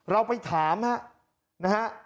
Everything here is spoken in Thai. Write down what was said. เราไปถามฮะนะฮะ